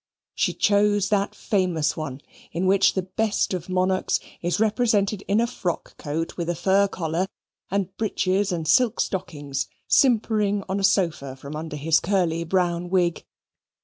She chose that famous one in which the best of monarchs is represented in a frock coat with a fur collar, and breeches and silk stockings, simpering on a sofa from under his curly brown wig.